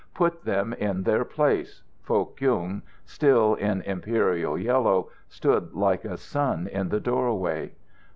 Put them in their place." Foh Kyung, still in imperial yellow, stood like a sun in the doorway.